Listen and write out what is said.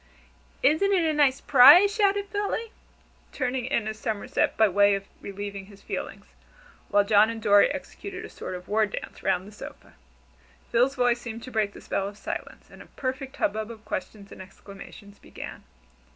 "Isn't a nice 'prise?" shouted Philly, turning a somerset by way of relieving his feelings, while John and Dorry executed a sort of war dance round the sofa. Phil's voice seemed to break the spell of silence, and a perfect hubbub of questions and exclamations began.